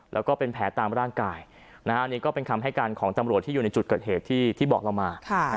แล้วก็เป็นแผลตามร่างกายอันนี้ก็เป็นคำให้การของตำรวจที่อยู่ในจุดเกิดเหตุที่บอกเรามา